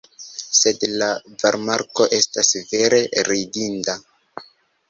Sed la varmarko estas vere ridinda!